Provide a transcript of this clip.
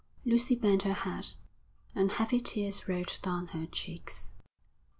Lucy bent her head, and heavy tears rolled down her cheeks.